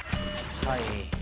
はい。